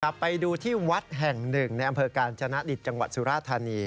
ไปดูที่วัดแห่งหนึ่งในอำเภอกาญจนดิตจังหวัดสุราธานี